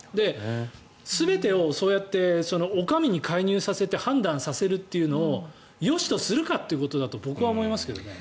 全てをそうやってお上に介入させて判断させるというのをよしとするかということだと僕は思いますけどね。